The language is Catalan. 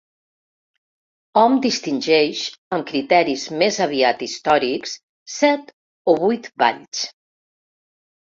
Hom distingeix, amb criteris més aviat històrics, set o vuit valls.